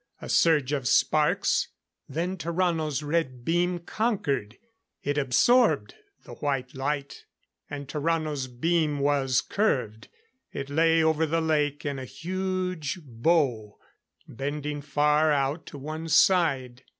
A surge of sparks; then Tarrano's red beam conquered. It absorbed the white light. And Tarrano's beam was curved. It lay over the lake in a huge bow, bending far out to one side.